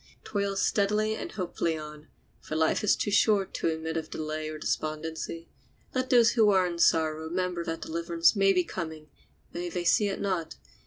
Toil steadily and hopefully on, for life is too short to admit of delay or despondency. Let those who are in sorrow remember that deliverance may be coming, though they see it not.